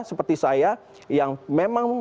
seperti saya yang memang